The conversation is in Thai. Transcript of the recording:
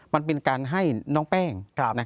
มันเป็นการให้น้องแป้ง